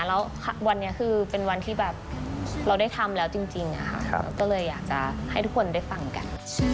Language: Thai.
แล้ววันนี้คือเป็นวันที่แบบเราได้ทำแล้วจริงเราก็เลยอยากจะให้ทุกคนได้ฟังกัน